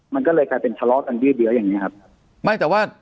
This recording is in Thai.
มันก็เลยกลายเป็นฉลอดอันดีเดียวอย่างนี้ครับ